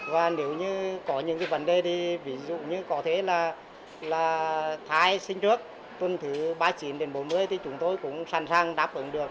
và nếu như có những cái vấn đề thì ví dụ như có thể là thai sinh trước tuần thứ ba mươi chín đến bốn mươi thì chúng tôi cũng sẵn sàng đáp ứng được